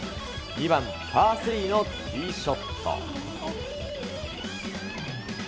２番パー３のティーショット。